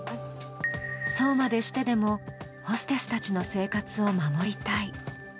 そうまでしてでもホステスたちの生活を守りたい。